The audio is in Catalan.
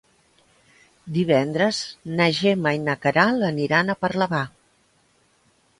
Divendres na Gemma i na Queralt aniran a Parlavà.